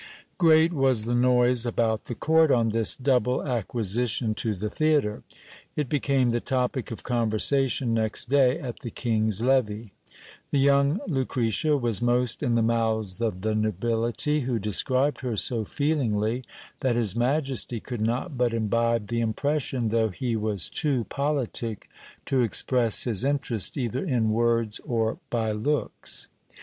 Great was the noise about the court on this double acquisition to the theatre ; it became the topic of conversation next day at the king's levee. The young Lucretia was most in the mouths of the nobility, who described her so feelingly, that his majesty could not but imbibe the impression, though he was too politic to express his interest either in words or by looks.